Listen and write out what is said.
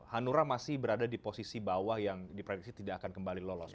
hanura masih berada di posisi bawah yang diprediksi tidak akan kembali lolos